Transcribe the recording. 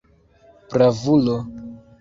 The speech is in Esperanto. Bravulo!